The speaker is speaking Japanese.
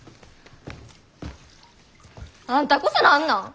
あんたこそ何なん！？